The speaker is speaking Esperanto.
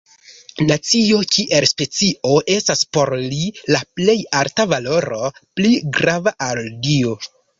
Nacio kiel specio estas por li la plej alta valoro, pli grava ol Dio.